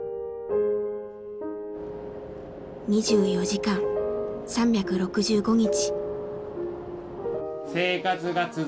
２４時間３６５日。